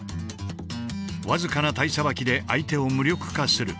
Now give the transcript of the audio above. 僅かな体捌きで相手を無力化する。